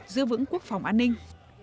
giữ vững quốc phòng an ninh